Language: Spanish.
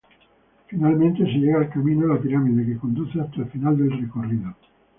Finalmente se llega al camino La Pirámide, que conduce hasta el final del recorrido.